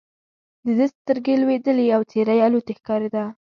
د ده سترګې لوېدلې او څېره یې الوتې ښکارېده.